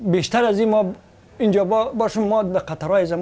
kesakitan kesakitan kesakitan